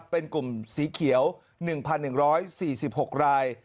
เป็นกลุ่มสีเขียว๑๑๔๖ราย